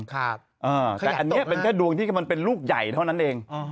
แต่อันนี้เป็นแค่ดวงที่มันเป็นลูกใหญ่เท่านั้นเอง